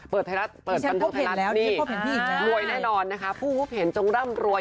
เปิดบรรทัยรัฐเปิดบรรทัยรัฐนี้รวยแน่นอนนะคะผู้ผู้เห็นจงร่ำรวย